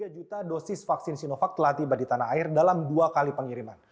tiga juta dosis vaksin sinovac telah tiba di tanah air dalam dua kali pengiriman